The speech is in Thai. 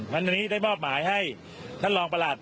วันนี้ได้มอบหมายให้ท่านรองประหลัด